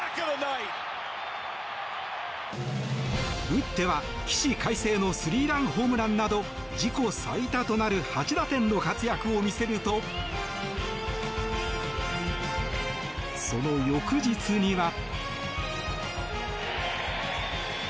打っては起死回生のスリーランホームランなど自己最多となる８打点の活躍を見せるとその翌日には。